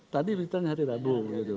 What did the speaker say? tadi minta hari rabu